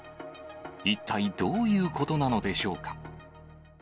一体どういうことなのでしょうか。